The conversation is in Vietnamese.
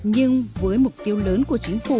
nhưng với mục tiêu lớn của chính sách nhà nước